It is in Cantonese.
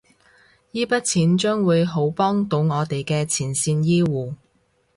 依筆錢將會好幫到我哋嘅前線醫護